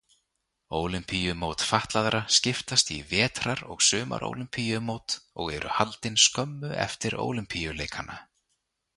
Ólympíumót fatlaðra skiptast í vetrar-og sumarólympíumót og eru haldin skömmu eftir Ólympíuleikana.